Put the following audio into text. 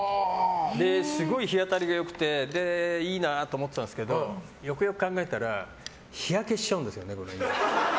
すごい日当たりが良くていいなって思ってたんですけどよくよく考えたら日焼けしちゃうんですよね。